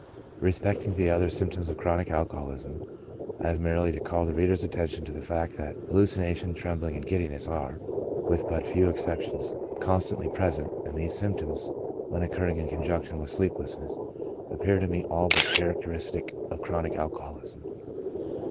Respecting the other symptoms of chronic alcoholism, I have merely to call the reader's attention to the fact that hallucinations^ tremblings and giddiness are, with but few ex ceptions, constantly present ; and these symptoms, when occurring in conjunction with sleeplessness, appear to me all but characteristic of chronic alcoholism.